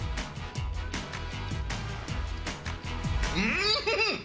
うん！